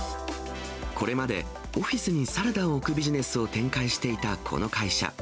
これまで、オフィスにサラダを置くビジネスを展開していたこの会社。